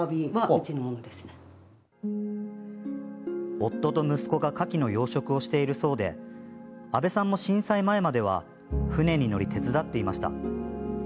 夫と息子がかきの養殖をしているそうで阿部さんも震災前までは船に乗り、手伝っていました。